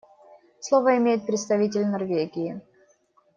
Слово имеет представитель Норвегии.